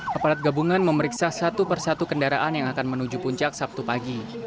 kepala gabungan memeriksa satu persatu kendaraan yang akan menuju puncak sabtu pagi